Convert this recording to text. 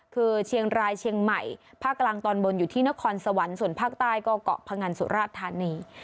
คือเชียงรายเชียงใหม่ภาคกลางตอนบนอยู่ที่นครสวรรค์ส่วนภาคใต้ก็เกาะพงันสุราชธานี